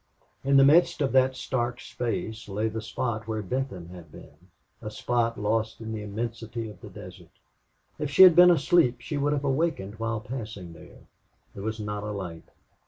In the midst of that stark space lay the spot where Benton had been. A spot lost in the immensity of the desert. If she had been asleep she would have awakened while passing there. There was not a light.